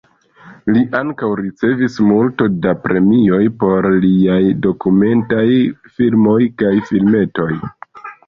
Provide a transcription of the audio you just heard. Li ankaŭ ricevis multo da premioj por liaj dokumentaj filmoj kaj filmetoj.